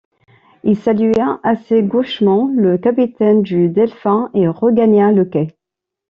Il salua assez gauchement le capitaine du Delphin, et regagna le quai.